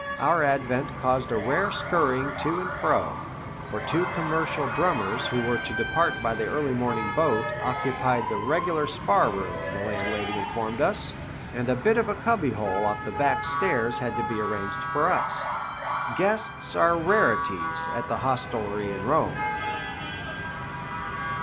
Our advent caused a rare scurrying to and fro, for two commercial "drummers," who were to depart by the early morning boat, occupied the "reg'lar spar' room," the landlady informed us, and a bit of a cubby hole off the back stairs had to be arranged for us. Guests are rarities, at the hostelry in Rome.